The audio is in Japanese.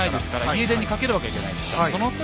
家電にかけるわけじゃないですか。